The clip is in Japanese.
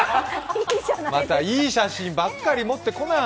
またいい写真ばっかり持ってこない。